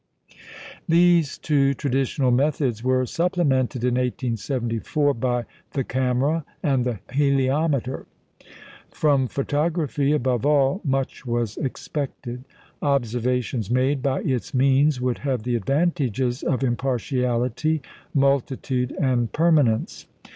These two traditional methods were supplemented in 1874 by the camera and the heliometer. From photography, above all, much was expected. Observations made by its means would have the advantages of impartiality, multitude, and permanence.